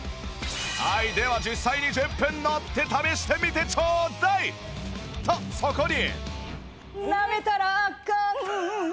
はいでは実際に１０分乗って試してみてちょうだいとそこに